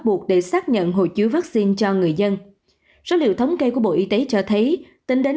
đầu để xác nhận hộ chiếu vắc xin cho người dân số liệu thống kê của bộ y tế cho thấy tính đến